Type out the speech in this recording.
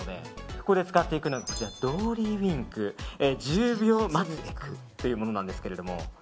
そこで使っていくのがドーリーウインク１０秒まつエクというものなんですけど。